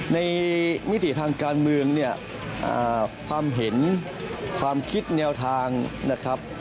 มิติทางการเมืองเนี่ยความเห็นความคิดแนวทางนะครับ